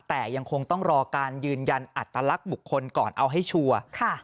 แต่ยังคงต้องรอการยืนยันอัตลักษณ์บุคคลก่อนเอาให้ชัวร์ค่ะ